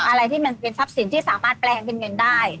อะไรที่มันเป็นทรัพย์สินที่สามารถแปลงเป็นเงินได้